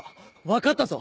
分かったぞ！